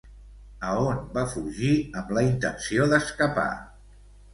A on va fugir amb la intenció d'escapar?